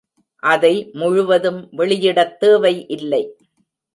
அதை முழுவதும் வெளியிடத் தேவை இல்லை.